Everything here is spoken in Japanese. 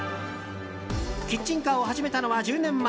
キッチンカーを始めたのは１０年前。